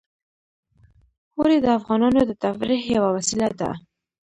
اوړي د افغانانو د تفریح یوه وسیله ده.